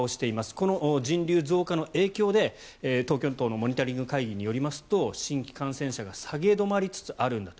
この人流増加の影響で東京都のモニタリング会議によりますと新規感染者が下げ止まりつつあるんだと。